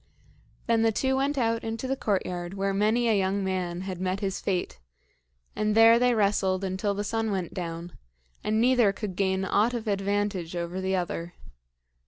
Then the two went out into the courtyard where many a young man had met his fate, and there they wrestled until the sun went down, and neither could gain aught of advantage over the other.